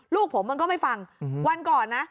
ลูกผมมันก็ไม่ฟังวันก่อนนะ